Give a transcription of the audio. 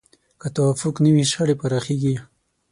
که توافق نه وي، شخړې پراخېږي.